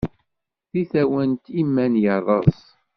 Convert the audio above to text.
Deg tawant iman yerreẓ.